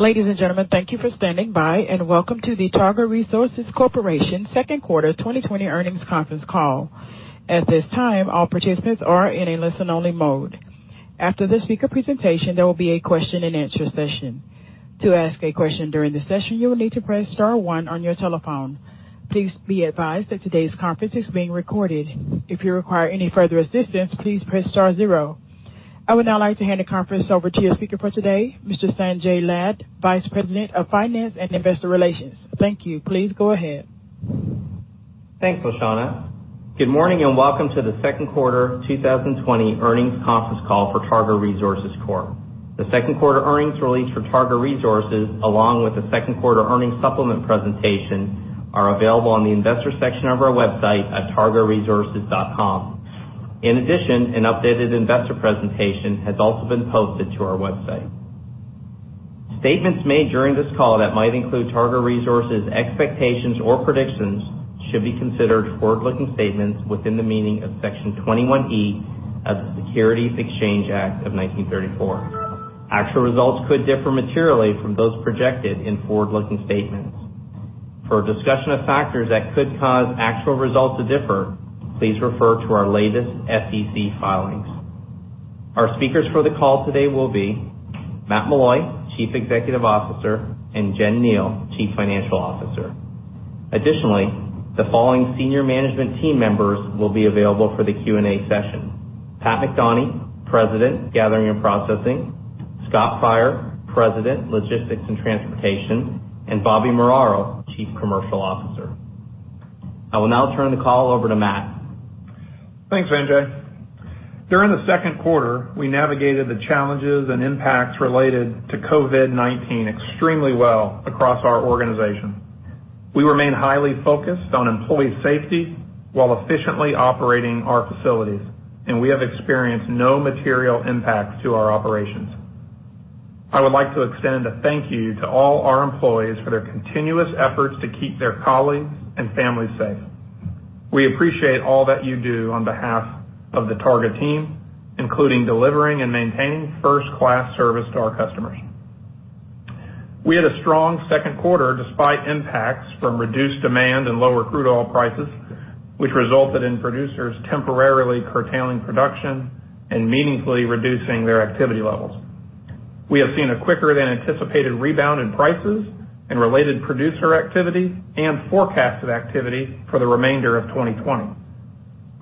Ladies and gentlemen, thank you for standing by, and welcome to the Targa Resources Corp. second quarter 2020 earnings conference call. At this time, all participants are in a listen-only mode. After the speaker presentation, there will be a question and answer session. To ask a question during the session, you will need to press star one on your telephone. Please be advised that today's conference is being recorded. If you require any further assistance, please press star zero. I would now like to hand the conference over to your speaker for today, Mr. Sanjay Lad, Vice President of Finance and Investor Relations. Thank you. Please go ahead. Thanks, Leshawna. Good morning and welcome to the second quarter 2020 earnings conference call for Targa Resources Corp. The second quarter earnings release for Targa Resources, along with the second quarter earnings supplement presentation, are available on the investor section of our website at targaresources.com. In addition, an updated investor presentation has also been posted to our website. Statements made during this call that might include Targa Resources expectations or predictions should be considered forward-looking statements within the meaning of Section 21E of the Securities Exchange Act of 1934. Actual results could differ materially from those projected in forward-looking statements. For a discussion of factors that could cause actual results to differ, please refer to our latest SEC filings. Our speakers for the call today will be Matt Meloy, Chief Executive Officer, and Jen Kneale, Chief Financial Officer. Additionally, the following senior management team members will be available for the Q&A session: Pat McDonie, President, Gathering and Processing; Scott Pryor, President, Logistics and Transportation; and Bobby Muraro, Chief Commercial Officer. I will now turn the call over to Matt. Thanks, Sanjay. During the second quarter, we navigated the challenges and impacts related to COVID-19 extremely well across our organization. We remain highly focused on employee safety while efficiently operating our facilities, and we have experienced no material impacts to our operations. I would like to extend a thank you to all our employees for their continuous efforts to keep their colleagues and families safe. We appreciate all that you do on behalf of the Targa team, including delivering and maintaining first-class service to our customers. We had a strong second quarter despite impacts from reduced demand and lower crude oil prices, which resulted in producers temporarily curtailing production and meaningfully reducing their activity levels. We have seen a quicker than anticipated rebound in prices and related producer activity and forecasted activity for the remainder of 2020.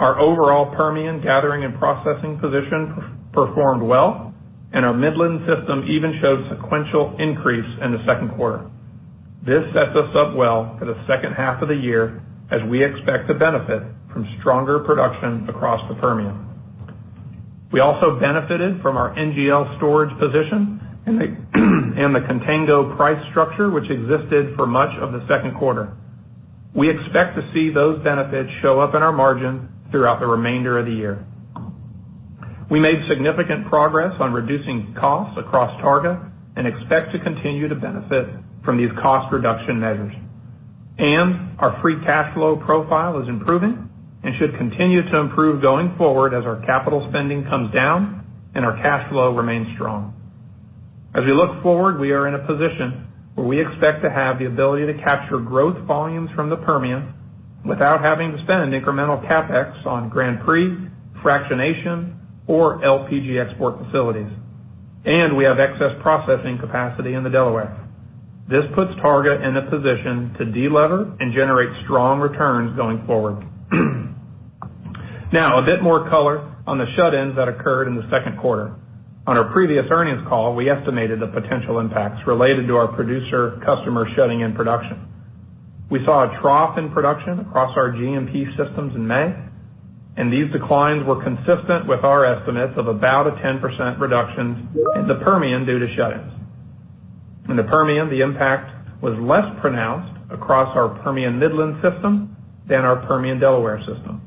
Our overall Permian gathering and processing position performed well, and our Midland system even showed sequential increase in the second quarter. This sets us up well for the second half of the year, as we expect to benefit from stronger production across the Permian. We also benefited from our NGL storage position and the contango price structure which existed for much of the second quarter. We expect to see those benefits show up in our margin throughout the remainder of the year. We made significant progress on reducing costs across Targa and expect to continue to benefit from these cost reduction measures. Our free cash flow profile is improving and should continue to improve going forward as our capital spending comes down and our cash flow remains strong. As we look forward, we are in a position where we expect to have the ability to capture growth volumes from the Permian without having to spend incremental CapEx on Grand Prix, fractionation, or LPG export facilities. We have excess processing capacity in the Delaware. This puts Targa in a position to de-lever and generate strong returns going forward. Now, a bit more color on the shut-ins that occurred in the second quarter. On our previous earnings call, we estimated the potential impacts related to our producer customer shutting in production. We saw a trough in production across our G&P systems in May, and these declines were consistent with our estimates of about a 10% reduction in the Permian due to shut-ins. In the Permian, the impact was less pronounced across our Permian Midland system than our Permian Delaware system.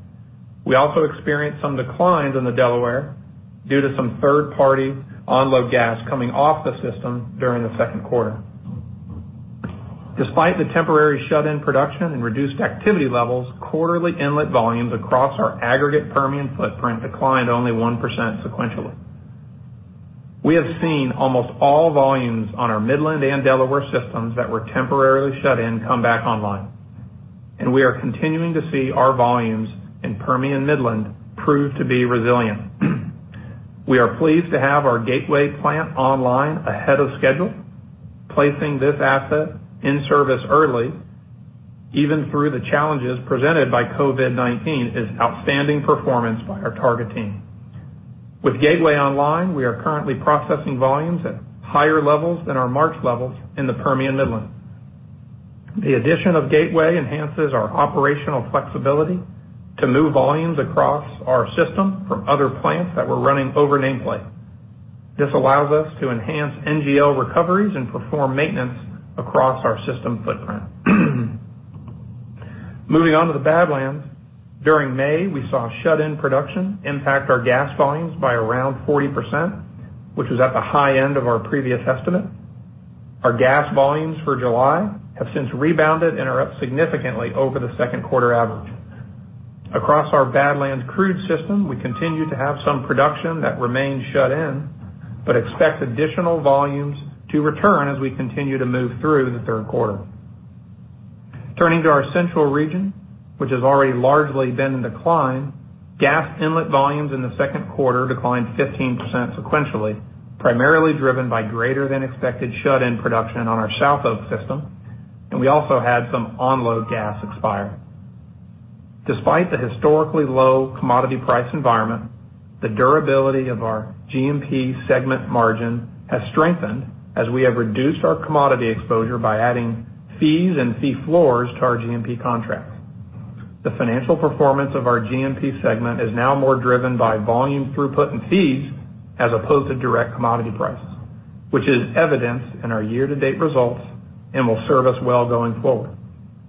We also experienced some declines in the Delaware due to some third-party offload gas coming off the system during the second quarter. Despite the temporary shut-in production and reduced activity levels, quarterly inlet volumes across our aggregate Permian footprint declined only 1% sequentially. We have seen almost all volumes on our Midland and Delaware systems that were temporarily shut in come back online. We are continuing to see our volumes in Permian Midland prove to be resilient. We are pleased to have our Gateway plant online ahead of schedule. Placing this asset in service early, even through the challenges presented by COVID-19, is outstanding performance by our Targa team. With Gateway online, we are currently processing volumes at higher levels than our March levels in the Permian Midland. The addition of Gateway enhances our operational flexibility to move volumes across our system from other plants that were running over nameplate. This allows us to enhance NGL recoveries and perform maintenance across our system footprint. Moving on to the Badlands, during May, we saw shut-in production impact our gas volumes by around 40%, which was at the high end of our previous estimate. Our gas volumes for July have since rebounded and are up significantly over the second quarter average. Across our Badlands crude system, we continue to have some production that remains shut in, but expect additional volumes to return as we continue to move through the third quarter. Turning to our Central region, which has already largely been in decline, gas inlet volumes in the second quarter declined 15% sequentially, primarily driven by greater than expected shut-in production on our SouthOK system. We also had some offload gas expire. Despite the historically low commodity price environment, the durability of our G&P segment margin has strengthened as we have reduced our commodity exposure by adding fees and fee floors to our G&P contracts. The financial performance of our G&P segment is now more driven by volume throughput and fees as opposed to direct commodity prices, which is evident in our year-to-date results and will serve us well going forward.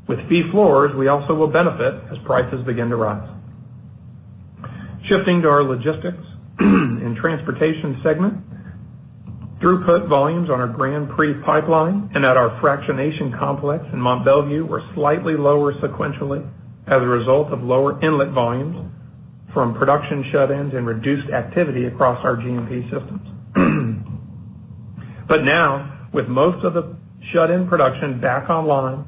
With fee floors, we also will benefit as prices begin to rise. Shifting to our logistics and transportation segment, throughput volumes on our Grand Prix pipeline and at our fractionation complex in Mont Belvieu were slightly lower sequentially as a result of lower inlet volumes from production shut-ins and reduced activity across our G&P systems. Now, with most of the shut-in production back online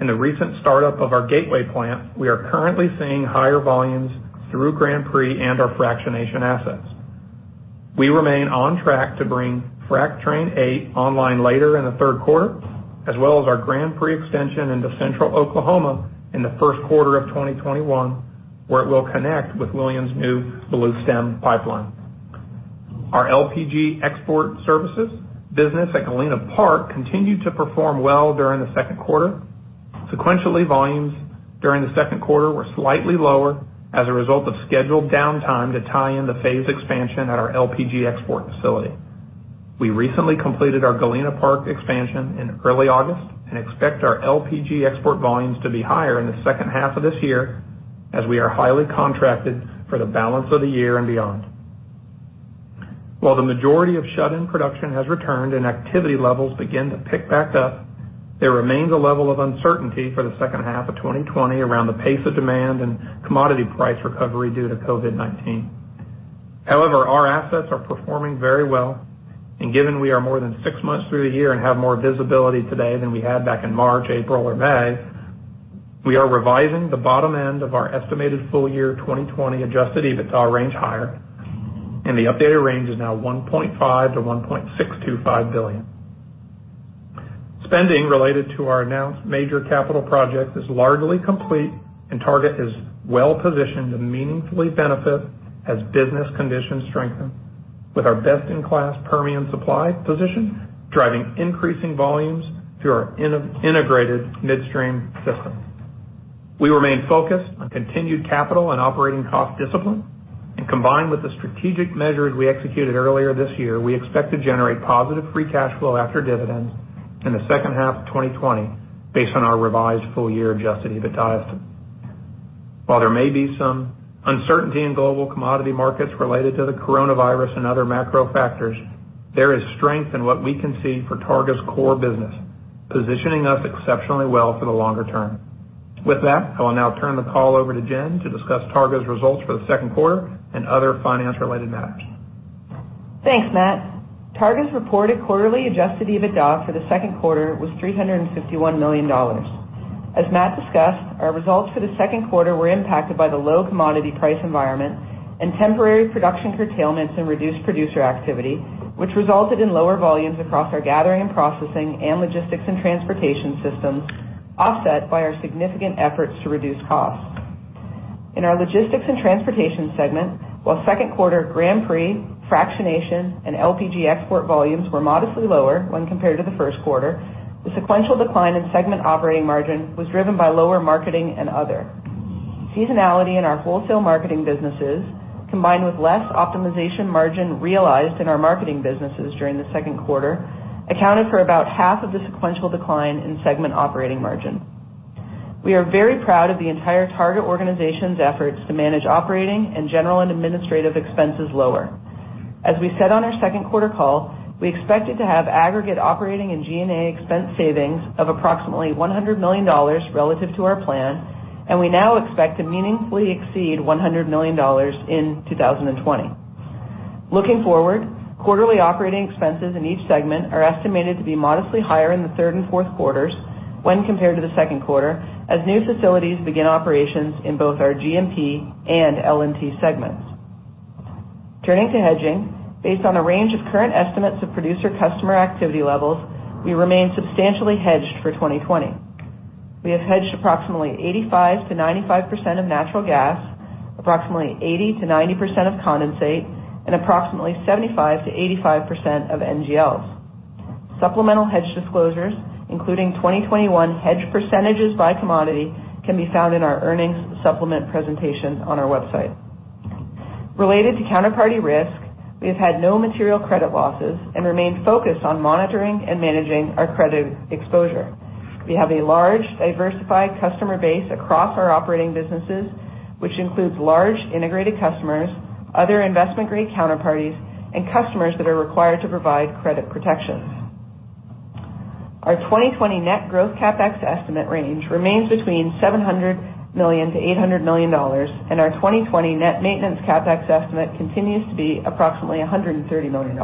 and the recent startup of our Gateway plant, we are currently seeing higher volumes through Grand Prix and our fractionation assets. We remain on track to bring Frac Train 8 online later in the third quarter, as well as our Grand Prix extension into central Oklahoma in the first quarter of 2021, where it will connect with Williams' new Bluestem pipeline. Our LPG export services business at Galena Park continued to perform well during the second quarter. Sequentially, volumes during the second quarter were slightly lower as a result of scheduled downtime to tie in the phased expansion at our LPG export facility. We recently completed our Galena Park expansion in early August and expect our LPG export volumes to be higher in the second half of this year, as we are highly contracted for the balance of the year and beyond. While the majority of shut-in production has returned and activity levels begin to pick back up, there remains a level of uncertainty for the second half of 2020 around the pace of demand and commodity price recovery due to COVID-19. However, our assets are performing very well, and given we are more than six months through the year and have more visibility today than we had back in March, April, or May, we are revising the bottom end of our estimated full year 2020 adjusted EBITDA range higher, and the updated range is now $1.5 billion-$1.625 billion. Spending related to our announced major capital project is largely complete, and Targa is well-positioned to meaningfully benefit as business conditions strengthen with our best-in-class Permian supply position, driving increasing volumes through our integrated midstream system. We remain focused on continued capital and operating cost discipline, and combined with the strategic measures we executed earlier this year, we expect to generate positive free cash flow after dividends in the second half of 2020 based on our revised full year adjusted EBITDA estimate. While there may be some uncertainty in global commodity markets related to the coronavirus and other macro factors, there is strength in what we can see for Targa's core business, positioning us exceptionally well for the longer term. With that, I will now turn the call over to Jen to discuss Targa's results for the second quarter and other finance-related matters. Thanks, Matt. Targa's reported quarterly adjusted EBITDA for the second quarter was $351 million. As Matt discussed, our results for the second quarter were impacted by the low commodity price environment and temporary production curtailments and reduced producer activity, which resulted in lower volumes across our Gathering and Processing and Logistics and Transportation systems, offset by our significant efforts to reduce costs. In our Logistics and Transportation segment, while second quarter Grand Prix, fractionation, and LPG export volumes were modestly lower when compared to the first quarter, the sequential decline in segment operating margin was driven by lower marketing and other. Seasonality in our wholesale marketing businesses, combined with less optimization margin realized in our marketing businesses during the second quarter, accounted for about half of the sequential decline in segment operating margin. We are very proud of the entire Targa organization's efforts to manage operating and general and administrative expenses lower. As we said on our second quarter call, we expected to have aggregate operating and G&A expense savings of approximately $100 million relative to our plan, and we now expect to meaningfully exceed $100 million in 2020. Looking forward, quarterly operating expenses in each segment are estimated to be modestly higher in the third and fourth quarters when compared to the second quarter, as new facilities begin operations in both our G&P and L&T segments. Turning to hedging, based on a range of current estimates of producer customer activity levels, we remain substantially hedged for 2020. We have hedged approximately 85%-95% of natural gas, approximately 80%-90% of condensate, and approximately 75%-85% of NGLs. Supplemental hedge disclosures, including 2021 hedge percentage by commodity, can be found in our earnings supplement presentation on our website. Related to counterparty risk, we have had no material credit losses and remain focused on monitoring and managing our credit exposure. We have a large, diversified customer base across our operating businesses, which includes large integrated customers, other investment-grade counterparties, and customers that are required to provide credit protections. Our 2020 net growth CapEx estimate range remains between $700 million-$800 million. Our 2020 net maintenance CapEx estimate continues to be approximately $130 million.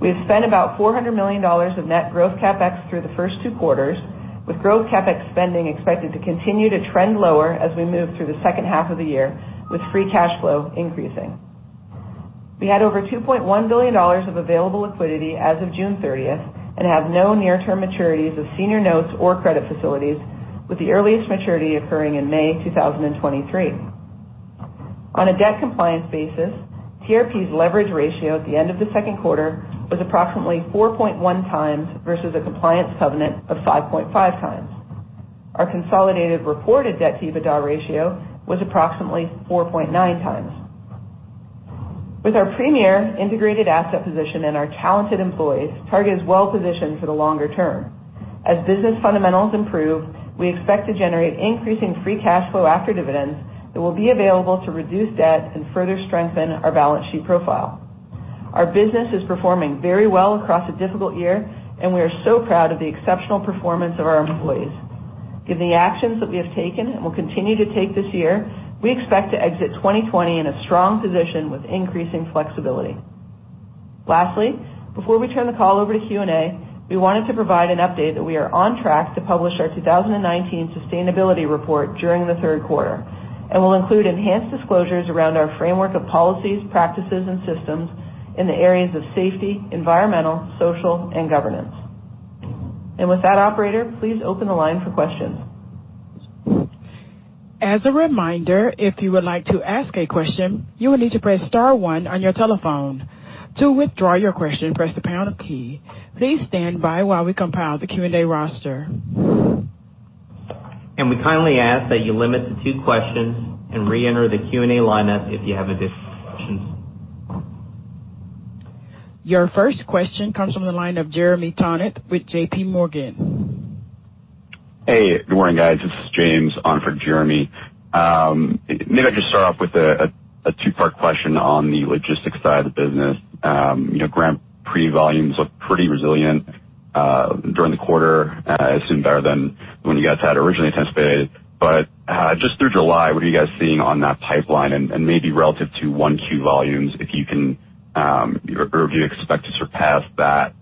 We have spent about $400 million of net growth CapEx through the first two quarters, with growth CapEx spending expected to continue to trend lower as we move through the second half of the year, with free cash flow increasing. We had over $2.1 billion of available liquidity as of June 30th, and have no near-term maturities of senior notes or credit facilities, with the earliest maturity occurring in May 2023. On a debt compliance basis, TRP's leverage ratio at the end of the second quarter was approximately 4.1x versus a compliance covenant of 5.5x. Our consolidated reported debt-to-EBITDA ratio was approximately 4.9x. With our premier integrated asset position and our talented employees, Targa is well-positioned for the longer term. As business fundamentals improve, we expect to generate increasing free cash flow after dividends that will be available to reduce debt and further strengthen our balance sheet profile. Our business is performing very well across a difficult year, and we are so proud of the exceptional performance of our employees. Given the actions that we have taken and will continue to take this year, we expect to exit 2020 in a strong position with increasing flexibility. Lastly, before we turn the call over to Q&A, we wanted to provide an update that we are on track to publish our 2019 sustainability report during the third quarter, and will include enhanced disclosures around our framework of policies, practices, and systems in the areas of safety, environmental, social, and governance. With that, operator, please open the line for questions. As a reminder, if you would like to ask a question, you will need to press star one on your telephone. To withdraw your question, press the pound key. Please stand by while we compile the Q&A roster. We kindly ask that you limit to two questions and re-enter the Q&A lineup if you have additional questions. Your first question comes from the line of Jeremy Tonet with JPMorgan. Hey, good morning, guys. This is James on for Jeremy. Maybe I could start off with a two-part question on the logistics side of the business. Grand Prix volumes look pretty resilient during the quarter, I assume better than when you guys had originally anticipated. Just through July, what are you guys seeing on that pipeline and maybe relative to 1Q volumes, if you expect to surpass that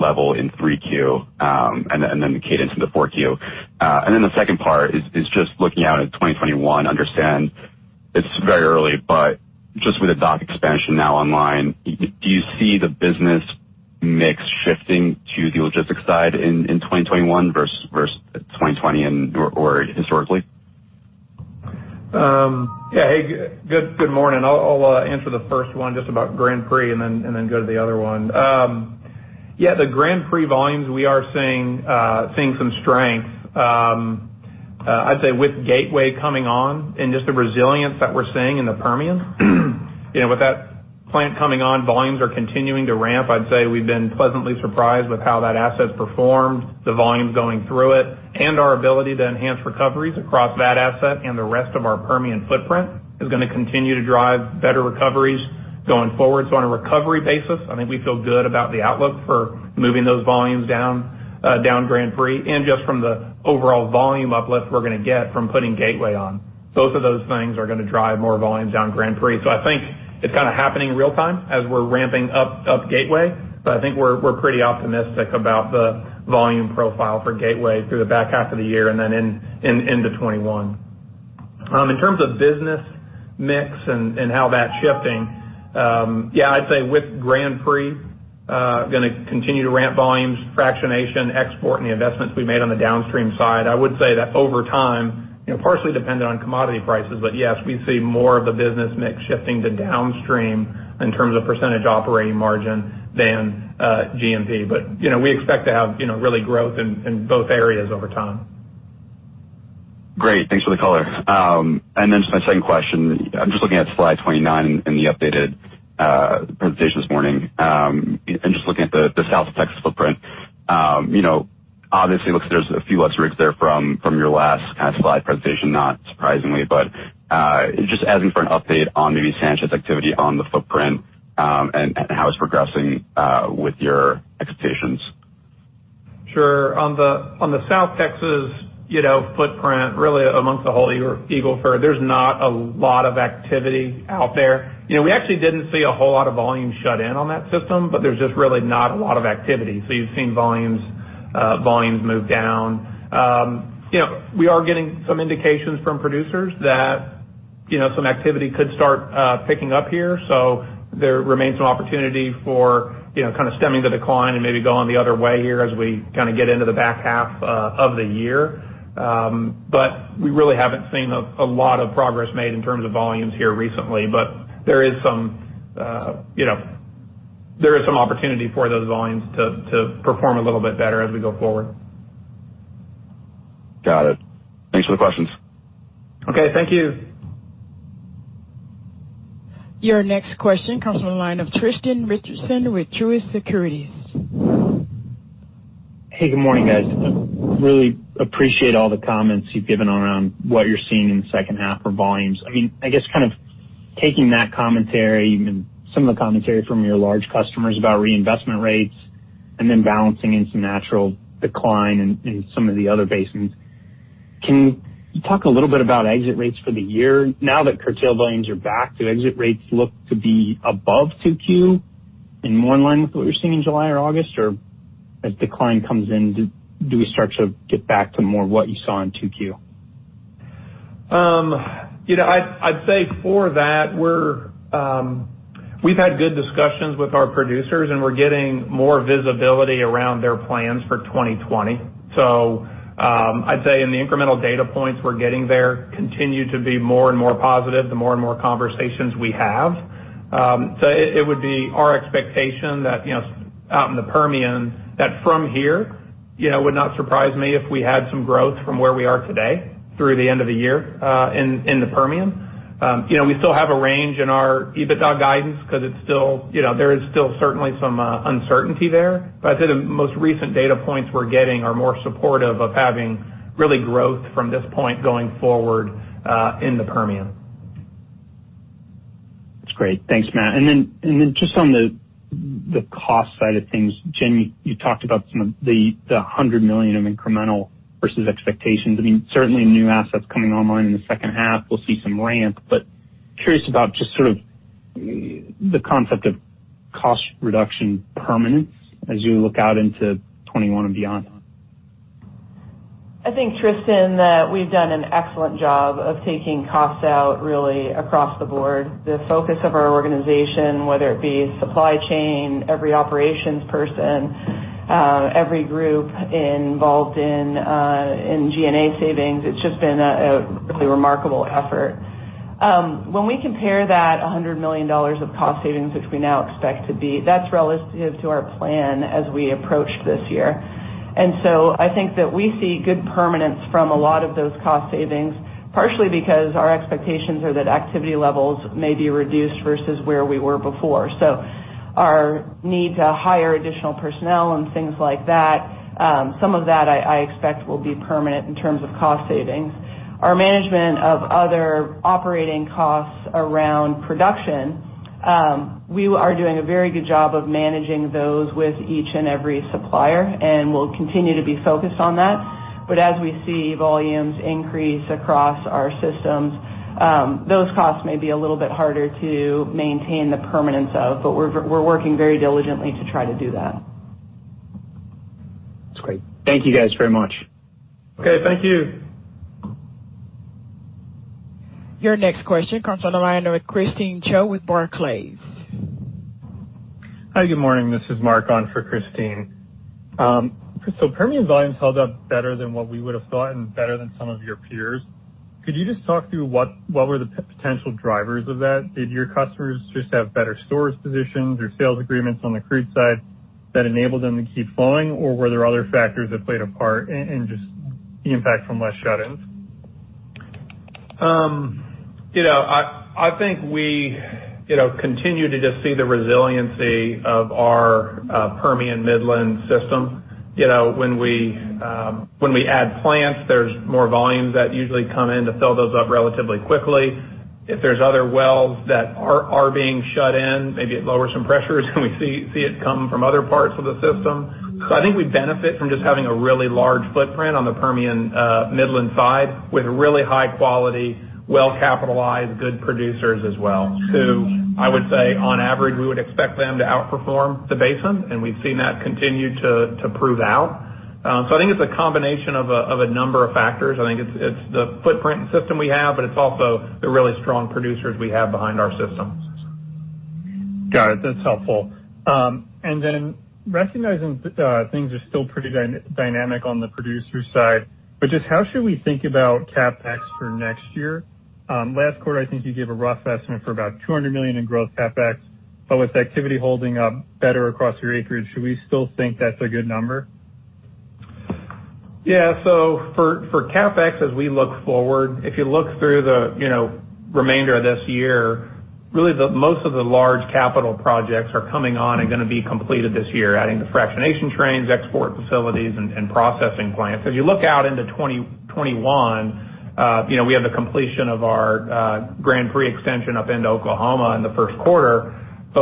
level in 3Q and then the cadence into 4Q? The second part is just looking out at 2021. Understand it's very early, but just with the dock expansion now online, do you see the business mix shifting to the logistics side in 2021 versus 2020 or historically? Yeah. Hey, good morning. I'll answer the first one just about Grand Prix and then go to the other one. Yeah, the Grand Prix volumes, we are seeing some strength. I'd say with Gateway coming on and just the resilience that we're seeing in the Permian. With that plant coming on, volumes are continuing to ramp. I'd say we've been pleasantly surprised with how that asset's performed, the volumes going through it, and our ability to enhance recoveries across that asset and the rest of our Permian footprint is going to continue to drive better recoveries going forward. On a recovery basis, I think we feel good about the outlook for moving those volumes down Grand Prix and just from the overall volume uplift we're going to get from putting Gateway on. Both of those things are going to drive more volumes down Grand Prix. I think it's kind of happening in real time as we're ramping up Gateway. I think we're pretty optimistic about the volume profile for Gateway through the back half of the year and then into 2021. In terms of business mix and how that's shifting, yeah, I'd say with Grand Prix, going to continue to ramp volumes, fractionation, export, and the investments we made on the downstream side. I would say that over time, partially dependent on commodity prices, but yes, we see more of the business mix shifting to downstream in terms of percentage operating margin than G&P. We expect to have really growth in both areas over time. Great. Thanks for the color. Just my second question. I'm just looking at slide 29 in the updated presentation this morning. Just looking at the South Texas footprint. Obviously, looks there's a few less rigs there from your last slide presentation, not surprisingly. Just asking for an update on maybe Sanchez activity on the footprint and how it's progressing with your expectations. Sure. On the South Texas footprint, really amongst the whole Eagle Ford, there's not a lot of activity out there. We actually didn't see a whole lot of volume shut in on that system, there's just really not a lot of activity. You've seen volumes move down. There remains some opportunity for stemming the decline and maybe going the other way here as we get into the back half of the year. We really haven't seen a lot of progress made in terms of volumes here recently. There is some opportunity for those volumes to perform a little bit better as we go forward. Got it. Thanks for the questions. Okay, thank you. Your next question comes from the line of Tristan Richardson with Truist Securities. Hey, good morning, guys. Really appreciate all the comments you've given around what you're seeing in the second half for volumes. I guess kind of taking that commentary and some of the commentary from your large customers about reinvestment rates and then balancing in some natural decline in some of the other basins. Can you talk a little bit about exit rates for the year? Now that curtail volumes are back, do exit rates look to be above 2Q and more in line with what you're seeing in July or August? As decline comes in, do we start to get back to more what you saw in 2Q? I'd say for that, we've had good discussions with our producers, and we're getting more visibility around their plans for 2020. I'd say in the incremental data points we're getting there continue to be more and more positive the more and more conversations we have. It would be our expectation that out in the Permian, that from here, would not surprise me if we had some growth from where we are today through the end of the year, in the Permian. We still have a range in our EBITDA guidance because there is still certainly some uncertainty there. I'd say the most recent data points we're getting are more supportive of having really growth from this point going forward, in the Permian. That's great. Thanks, Matt. Just on the cost side of things, Jenny, you talked about some of the $100 million of incremental versus expectations. Certainly new assets coming online in the second half, we'll see some ramp. Curious about just sort of the concept of cost reduction permanence as you look out into 2021 and beyond. I think, Tristan, that we've done an excellent job of taking costs out really across the board. The focus of our organization, whether it be supply chain, every operations person, every group involved in G&A savings, it's just been a really remarkable effort. We compare that $100 million of cost savings, which we now expect to be, that's relative to our plan as we approach this year. I think that we see good permanence from a lot of those cost savings, partially because our expectations are that activity levels may be reduced versus where we were before. Our need to hire additional personnel and things like that, some of that I expect will be permanent in terms of cost savings. Our management of other operating costs around production, we are doing a very good job of managing those with each and every supplier, and we'll continue to be focused on that. As we see volumes increase across our systems, those costs may be a little bit harder to maintain the permanence of. We're working very diligently to try to do that. That's great. Thank you guys very much. Okay, thank you. Your next question comes on the line with Christine Cho with Barclays. Hi, good morning. This is Mark on for Christine. Permian volumes held up better than what we would have thought and better than some of your peers. Could you just talk through what were the potential drivers of that? Did your customers just have better storage positions or sales agreements on the crude side that enabled them to keep flowing? Or were there other factors that played a part in just the impact from less shut-ins? I think we continue to just see the resiliency of our Permian Midland system. When we add plants, there's more volumes that usually come in to fill those up relatively quickly. If there's other wells that are being shut in, maybe it lowers some pressures, and we see it come from other parts of the system. I think we benefit from just having a really large footprint on the Permian Midland side with really high-quality, well-capitalized, good producers as well, who I would say on average, we would expect them to outperform the basin, and we've seen that continue to prove out. I think it's a combination of a number of factors. I think it's the footprint and system we have, but it's also the really strong producers we have behind our systems. Got it. That's helpful. Recognizing things are still pretty dynamic on the producer side, just how should we think about CapEx for next year? Last quarter, I think you gave a rough estimate for about $200 million in growth CapEx, with activity holding up better across your acreage, should we still think that's a good number? Yeah. For CapEx, as we look forward, if you look through the remainder of this year, really the most of the large capital projects are coming on and going to be completed this year, adding the fractionation trains, export facilities, and processing plants. As you look out into 2021, we have the completion of our Grand Prix extension up into Oklahoma in the first quarter,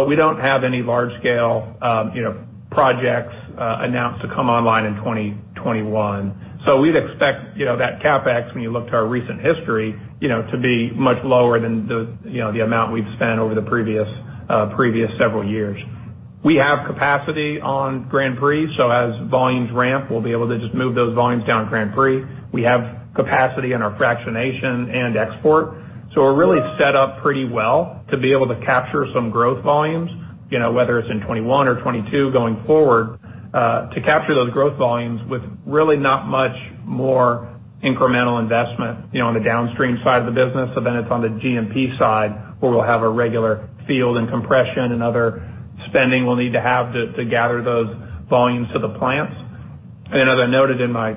we don't have any large-scale projects announced to come online in 2021. We'd expect that CapEx, when you look to our recent history, to be much lower than the amount we've spent over the previous several years. We have capacity on Grand Prix, so as volumes ramp, we'll be able to just move those volumes down Grand Prix. We have capacity in our fractionation and export. We're really set up pretty well to be able to capture some growth volumes, whether it's in 2021 or 2022 going forward, to capture those growth volumes with really not much more incremental investment on the downstream side of the business. It's on the GMP side where we'll have a regular field and compression and other spending we'll need to have to gather those volumes to the plants. As I noted in my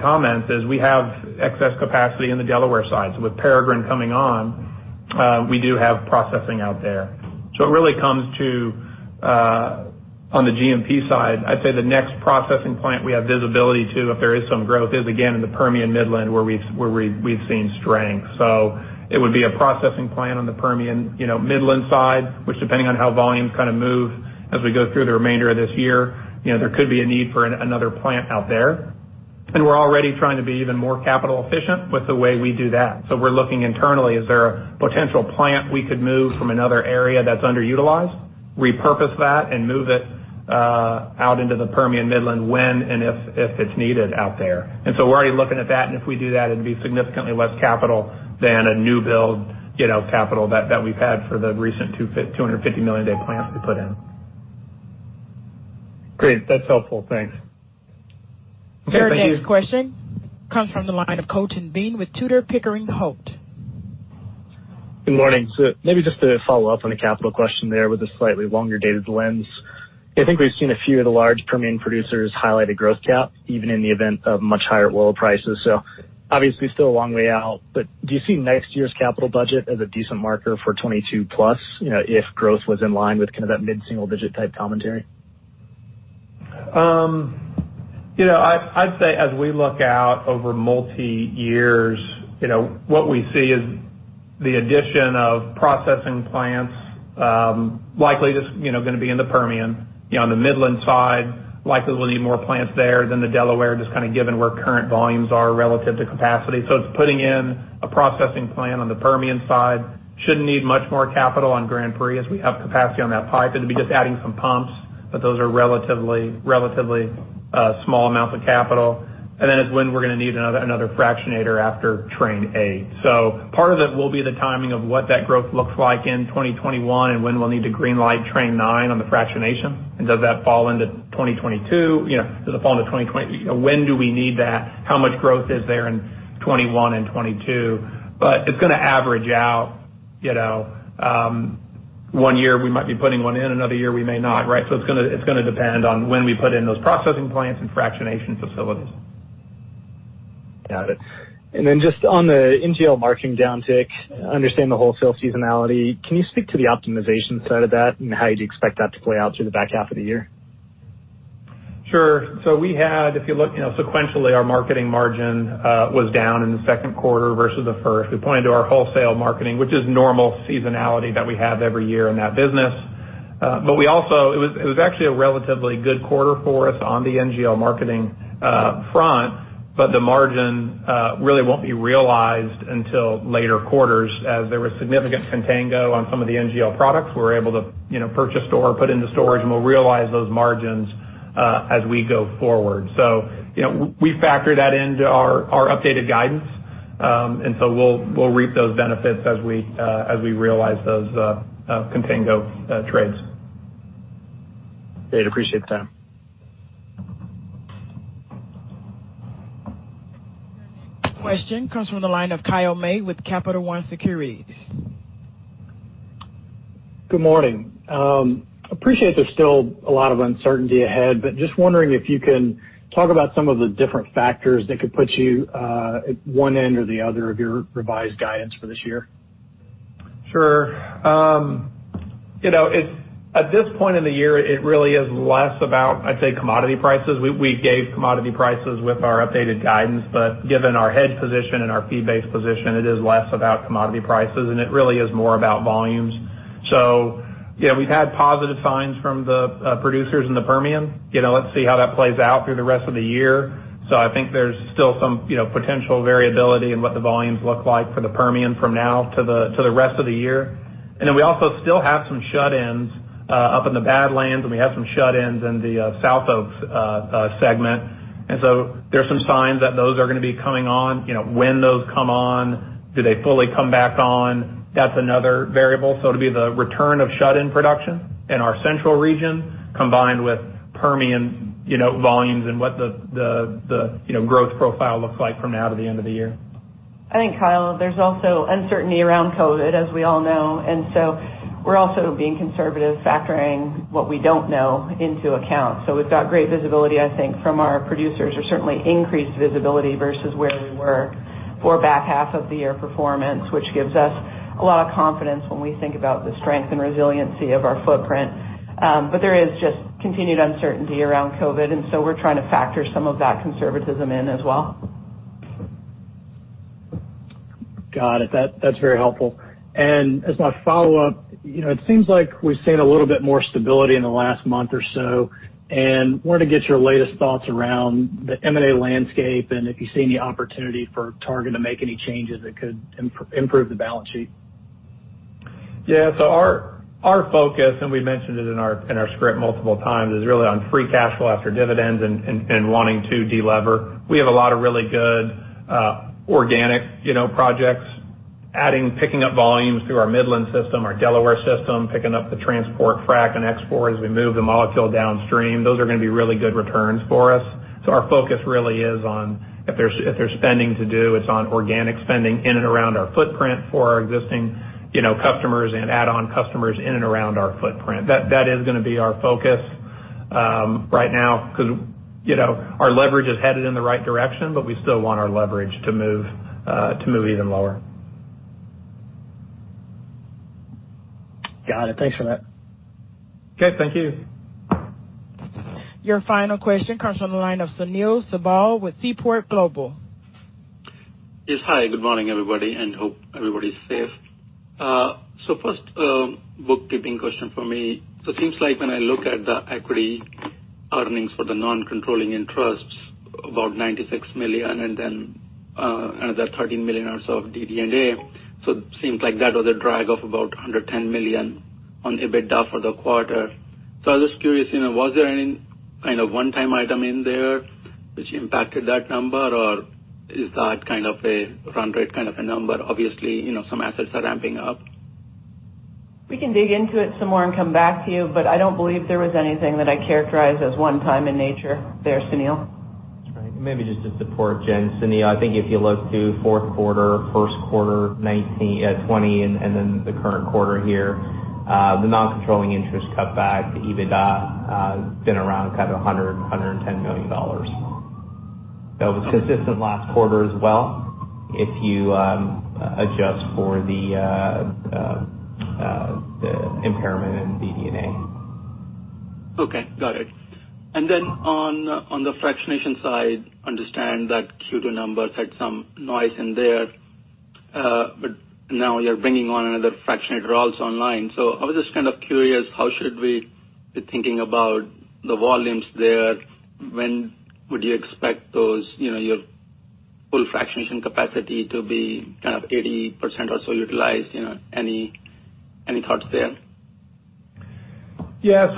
comments is we have excess capacity in the Delaware sides. With Peregrine coming on, we do have processing out there. On the GMP side, I'd say the next processing plant we have visibility to, if there is some growth, is again in the Permian Midland, where we've seen strength. It would be a processing plant on the Permian Midland side, which depending on how volumes kind of move as we go through the remainder of this year, there could be a need for another plant out there. We're already trying to be even more capital efficient with the way we do that. We're looking internally, is there a potential plant we could move from another area that's underutilized, repurpose that, and move it out into the Permian Midland when and if it's needed out there? We're already looking at that, and if we do that, it'd be significantly less capital than a new build capital that we've had for the recent 250 million day plants we put in. Great. That's helpful. Thanks. Okay. Thank you. Our next question comes from the line of Colton Bean with Tudor, Pickering, Holt. Good morning. Maybe just to follow up on the capital question there with a slightly longer dated lens. I think we've seen a few of the large Permian producers highlight a growth cap even in the event of much higher oil prices. Obviously still a long way out, but do you see next year's capital budget as a decent marker for 2022 plus, if growth was in line with kind of that mid-single digit type commentary? I'd say as we look out over multi years, what we see is the addition of processing plants likely just going to be in the Permian. On the Midland side, likely we'll need more plants there than the Delaware, just kind of given where current volumes are relative to capacity. It's putting in a processing plant on the Permian side. Shouldn't need much more capital on Grand Prix as we have capacity on that pipe. It'd be just adding some pumps, those are relatively small amounts of capital. It's when we're going to need another fractionator after Train 8. Part of it will be the timing of what that growth looks like in 2021 and when we'll need to green light Train 9 on the fractionation. Does that fall into 2022? When do we need that? How much growth is there in 2021 and 2022? It's going to average out. One year we might be putting one in, another year we may not, right? It's going to depend on when we put in those processing plants and fractionation facilities. Got it. Then just on the NGL margin downtick, understand the wholesale seasonality. Can you speak to the optimization side of that and how you'd expect that to play out through the back half of the year? Sure. We had, if you look sequentially, our marketing margin was down in the second quarter versus the first. It pointed to our wholesale marketing, which is normal seasonality that we have every year in that business. It was actually a relatively good quarter for us on the NGL marketing front, but the margin really won't be realized until later quarters as there was significant contango on some of the NGL products. We were able to purchase store, put into storage, and we'll realize those margins as we go forward. We factor that into our updated guidance. We'll reap those benefits as we realize those contango trades. Great. Appreciate the time. Question comes from the line of Kyle May with Capital One Securities. Good morning. Appreciate there's still a lot of uncertainty ahead, just wondering if you can talk about some of the different factors that could put you at one end or the other of your revised guidance for this year? Sure. At this point in the year, it really is less about, I'd say, commodity prices. We gave commodity prices with our updated guidance, but given our hedge position and our fee-based position, it is less about commodity prices, and it really is more about volumes. We've had positive signs from the producers in the Permian. Let's see how that plays out through the rest of the year. I think there's still some potential variability in what the volumes look like for the Permian from now to the rest of the year. Then we also still have some shut-ins up in the Badlands, and we have some shut-ins in the SouthOK segment. There's some signs that those are going to be coming on. When those come on, do they fully come back on? That's another variable. It'll be the return of shut-in production in our central region, combined with Permian volumes and what the growth profile looks like from now to the end of the year. I think, Kyle, there's also uncertainty around COVID, as we all know. We're also being conservative, factoring what we don't know into account. We've got great visibility, I think, from our producers, or certainly increased visibility versus where we were for back half of the year performance, which gives us a lot of confidence when we think about the strength and resiliency of our footprint. There is just continued uncertainty around COVID, and so we're trying to factor some of that conservatism in as well. Got it. That's very helpful. As my follow-up, it seems like we've seen a little bit more stability in the last month or so, wanted to get your latest thoughts around the M&A landscape and if you see any opportunity for Targa to make any changes that could improve the balance sheet. Our focus, and we mentioned it in our script multiple times, is really on free cash flow after dividends and wanting to de-lever. We have a lot of really good organic projects, picking up volumes through our Midland system, our Delaware system, picking up the transport frac and export as we move the molecule downstream. Those are going to be really good returns for us. Our focus really is on if there's spending to do, it's on organic spending in and around our footprint for our existing customers and add-on customers in and around our footprint. That is going to be our focus right now because our leverage is headed in the right direction, but we still want our leverage to move even lower. Got it. Thanks for that. Okay, thank you. Your final question comes from the line of Sunil Sibal with Seaport Global. Hi, good morning, everybody, hope everybody's safe. First, bookkeeping question from me. Seems like when I look at the equity earnings for the non-controlling interests, about $96 million, then another $13 million or so of DD&A. Seems like that was a drag of about $110 million on EBITDA for the quarter. I was just curious, was there any kind of one-time item in there which impacted that number? Is that kind of a run rate kind of a number? Obviously, some assets are ramping up. We can dig into it some more and come back to you, but I don't believe there was anything that I'd characterize as one time in nature there, Sunil. That's right. Maybe just to support Jen. Sunil, I think if you look to fourth quarter, first quarter 2020, and then the current quarter here, the non-controlling interest cutback to EBITDA has been around kind of $100 million-$110 million. That was consistent last quarter as well if you adjust for the impairment in DD&A. Okay, got it. Then on the fractionation side, understand that Q2 numbers had some noise in there. Now you're bringing on another fractionator also online. I was just kind of curious, how should we be thinking about the volumes there? When would you expect your full fractionation capacity to be kind of 80% or so utilized? Any thoughts there? Yeah.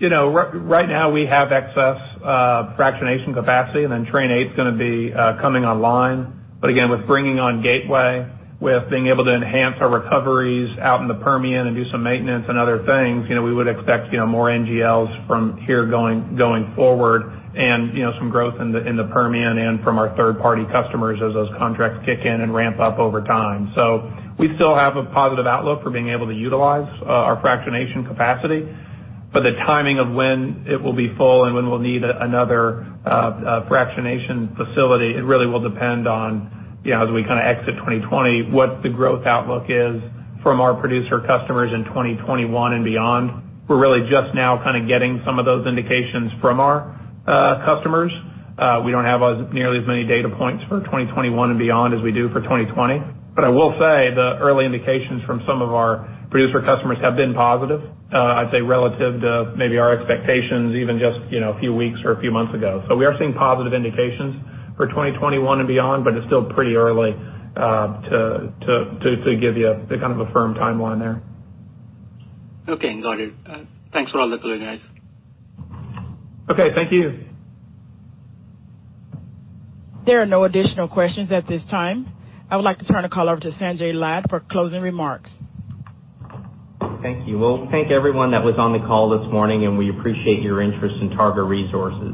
Right now we have excess fractionation capacity, and then Train 8 is going to be coming online. Again, with bringing on Gateway, with being able to enhance our recoveries out in the Permian and do some maintenance and other things, we would expect more NGLs from here going forward, and some growth in the Permian end from our third-party customers as those contracts kick in and ramp up over time. We still have a positive outlook for being able to utilize our fractionation capacity. The timing of when it will be full and when we'll need another fractionation facility, it really will depend on, as we kind of exit 2020, what the growth outlook is from our producer customers in 2021 and beyond. We're really just now kind of getting some of those indications from our customers. We don't have nearly as many data points for 2021 and beyond as we do for 2020. I will say the early indications from some of our producer customers have been positive. I'd say relative to maybe our expectations even just a few weeks or a few months ago. We are seeing positive indications for 2021 and beyond, but it's still pretty early to give you a kind of a firm timeline there. Okay, got it. Thanks for all the color, guys. Okay, thank you. There are no additional questions at this time. I would like to turn the call over to Sanjay Lad for closing remarks. Thank you. Well, thank everyone that was on the call this morning. We appreciate your interest in Targa Resources.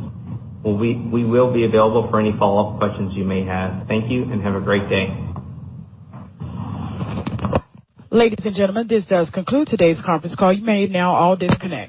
We will be available for any follow-up questions you may have. Thank you. Have a great day. Ladies and gentlemen, this does conclude today's conference call. You may now all disconnect.